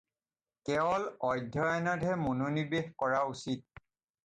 কেৱল অধ্যয়নতহে মনােনিৱেশ কৰা উচিত।